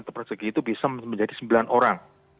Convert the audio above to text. satu meter persegi itu bisa menjadi sembilan orang